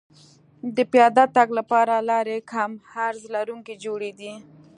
د پیاده تګ لپاره لارې کم عرض لرونکې جوړېدې